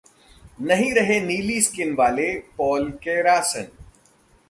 नहीं रहे नीली स्किन वाले पॉल कैरासन